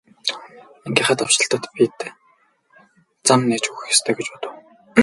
Ангийнхаа давшилтад бид зам нээж өгөх ёстой гэж бодов.